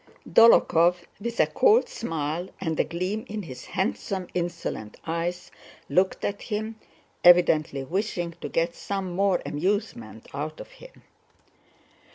Dólokhov with a cold smile and a gleam in his handsome insolent eyes looked at him—evidently wishing to get some more amusement out of him.